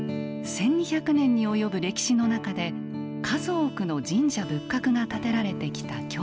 １，２００年に及ぶ歴史の中で数多くの神社仏閣が建てられてきた京都。